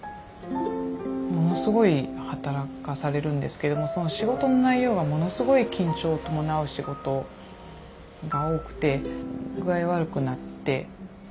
ものすごい働かされるんですけどもその仕事の内容がものすごい緊張を伴う仕事が多くて具合悪くなって。